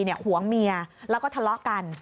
หวงเมียแล้วก็ทะเลาะกัน